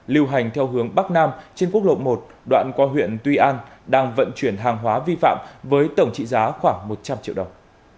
lưu hành theo hướng bắc nam trên quốc lộ một đoạn qua huyện tuy an đang vận chuyển hàng hóa vi phạm với tổng trị giá khoảng một trăm linh triệu đồng